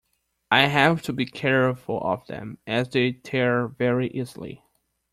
I have to be careful of them, as they tear very easily.